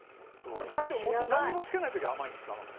これ最初餅なんにもつけない時は甘いんですか？